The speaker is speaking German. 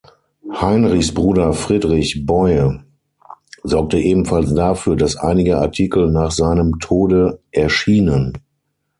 Heinrichs Bruder Friedrich Boie sorgte ebenfalls dafür, dass einige Artikel nach seinem Tode erschienen.